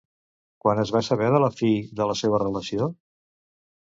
Quan es va saber de la fi de la seva relació?